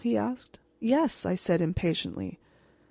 he asked. "Yes," said I, impatiently.